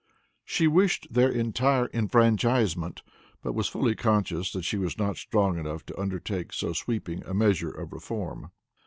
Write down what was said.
She wished their entire enfranchisement, but was fully conscious that she was not strong enough to undertake so sweeping a measure of reform.